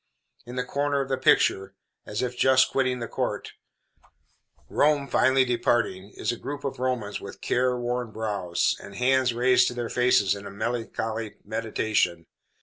In the corner of the picture, as if just quitting the court Rome finally departing is a group of Romans with care worn brows, and hands raised to their faces in melancholy meditation.